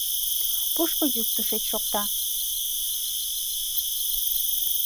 Пушко йӱк тушеч шокта